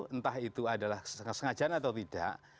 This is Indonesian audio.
entah itu adalah kesengajaan atau tidak